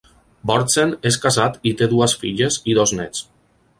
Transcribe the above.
Bordsen és casat i té dues filles i dos nets.